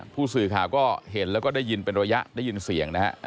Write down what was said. ผู้สื่อข่าวก็เห็นแล้วก็ได้ยินเป็นระยะได้ยินเสียงนะฮะ